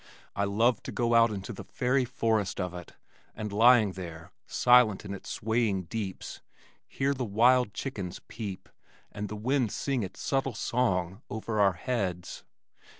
I loved to go out into the fairy forest of it, and lying there, silent in its swaying deeps, hear the wild chickens peep and the wind sing its subtle song over our heads.